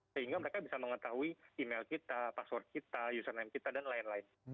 sehingga mereka bisa mengetahui email kita password kita username kita dan lain lain